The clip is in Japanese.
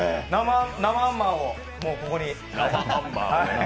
生「アンマー」をここに。